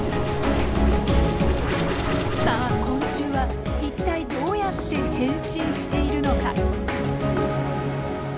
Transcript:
さあ昆虫は一体どうやって変身しているのか？